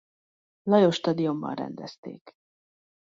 Lajos Stadionban rendezték.